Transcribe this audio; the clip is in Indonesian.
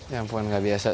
ya ampun nggak biasa